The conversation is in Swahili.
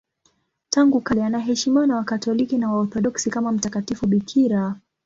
Tangu kale anaheshimiwa na Wakatoliki na Waorthodoksi kama mtakatifu bikira.